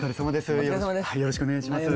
よろしくお願いします。